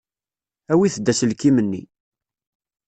Awit-d aselkim-nni.